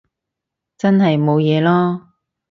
真係冇嘢囉